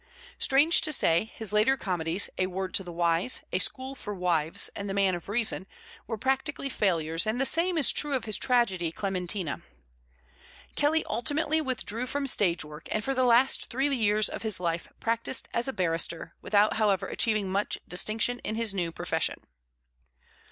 Strange to say, his later comedies, A Word to the Wise, A School for Wives, and The Man of Reason, were practically failures, and the same is true of his tragedy, Clementina. Kelly ultimately withdrew from stage work, and for the last three years of his life practised as a barrister without, however, achieving much distinction in his new profession.